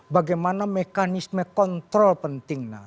bagaimana mekanisme kontrol penting